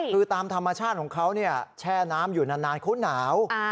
คือตามธรรมชาติของเขาแช่น้ำอยู่นานเขาหนาว